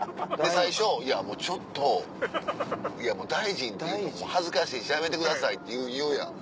最初いやちょっと大臣っていうのも恥ずかしいしやめてくださいって言うやん。